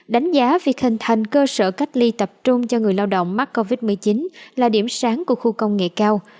đánh giá việc hình thành cơ sở cách ly tập trung cho người lao động mắc covid một mươi chín là điểm sáng của khu công nghệ cao